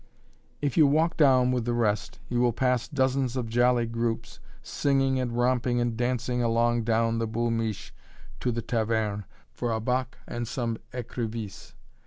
If you walk down with the rest, you will pass dozens of jolly groups singing and romping and dancing along down the "Boul' Miche" to the taverne, for a bock and some écrivisse.